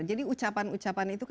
jadi ucapan ucapan itu